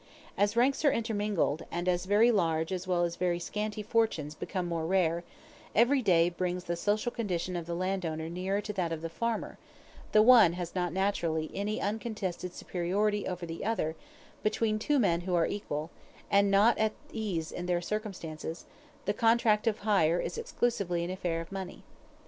As ranks are intermingled, and as very large as well as very scanty fortunes become more rare, every day brings the social condition of the landowner nearer to that of the farmer; the one has not naturally any uncontested superiority over the other; between two men who are equal, and not at ease in their circumstances, the contract of hire is exclusively an affair of money.